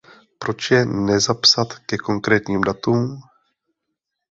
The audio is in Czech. Proč je nezapsat ke konkrétním datům?